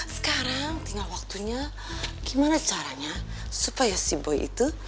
sekarang tinggal waktunya gimana caranya supaya si boi itu